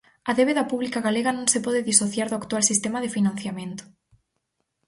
A débeda pública galega non se pode disociar do actual sistema de financiamento.